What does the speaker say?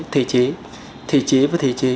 về thể chế thể chế và thể chế